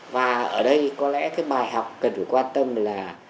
và ở đây có lẽ cái bài học cần phải quan tâm là